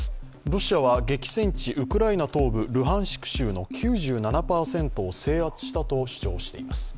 ロシアは激戦地ウクライナ東部ルハンシク州の９７％を制圧したと主張しています。